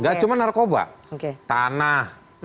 gak cuma narkoba tanah